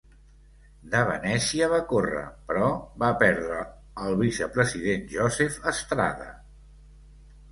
De Venecia va córrer, però va perdre al vicepresident Joseph Estrada.